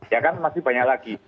ya kan masih banyak lagi